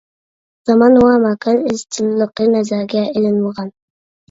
زامان ۋە ماكان ئىزچىللىقى نەزەرگە ئېلىنمىغان.